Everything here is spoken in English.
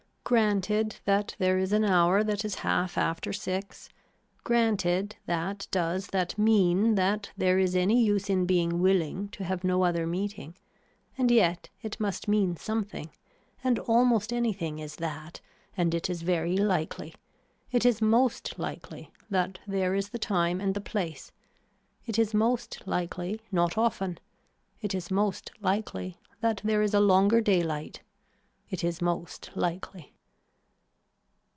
Granted that there is an hour that is half after six, granted that does that mean that there is any use in being willing to have no other meeting, and yet it must mean something and almost anything is that and it is very likely, it is most likely that there is the time and the place, it is most likely not often, it is most likely that there is a longer day light, it is most likely.